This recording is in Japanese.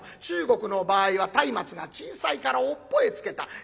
中国の場合は松明が小さいから尾っぽへつけた。